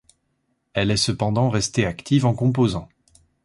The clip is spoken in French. Elle est cependant restée active en composant.